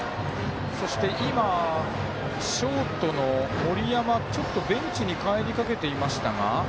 そして今、ショートの森山ベンチに帰りかけていましたが。